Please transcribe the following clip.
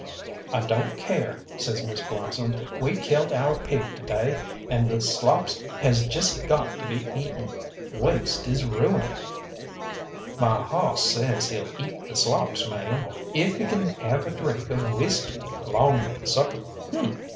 "I don't care," says Miss Blossom; "we killed our pig to day, and the slops has just got to be eaten. Waste is ruin." "My hawss says he'll eat the slops, ma'am, if he can have a drink of whisky along with supper." "Huh!